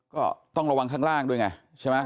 ก็ต้องระวังข้างล่างด้วยไงใช่ไหม